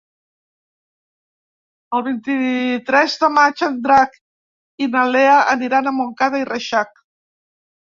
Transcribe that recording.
El vint-i-tres de maig en Drac i na Lea aniran a Montcada i Reixac.